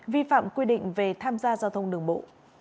vi phạm quy định về tham gia giao thông đường bộ